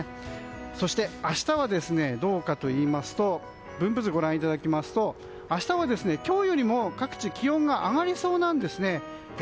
そして明日はどうかといいますと分布図ご覧いただきますと明日は今日よりも各地気温が上がりそうなんですね。